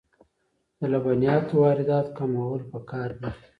د لبنیاتو واردات کمول پکار دي